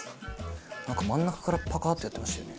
なんか真ん中からパカッとやってましたよね。